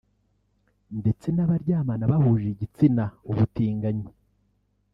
ndetse n’abaryamana bahuje igitsina (ubutinganyi)